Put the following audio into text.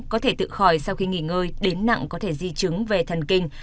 có thể tự khỏi sau khi nghỉ ngơi đến nặng có thể di chứng về thần kinh